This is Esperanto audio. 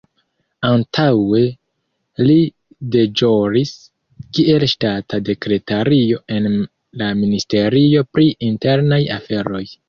Antaŭe li deĵoris kiel ŝtata sekretario en la Ministerio pri internaj aferoj.